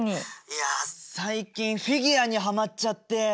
いや最近フィギュアにハマっちゃって。